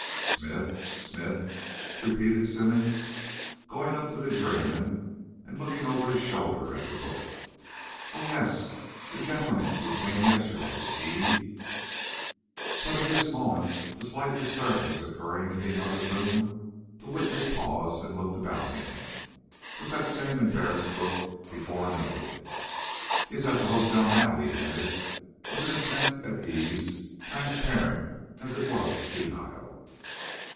"Smith? Smith?" repeated Symonds, going up to the juryman and looking over his shoulder at the book. "Oh, yes, the gentleman who came yesterday. He " But at this moment a slight disturbance occurring in the other room, the witness paused and looked about him with that same embarrassed look before noted. "He is at the hotel now," he added, with an attempt at ease, transparent as it was futile.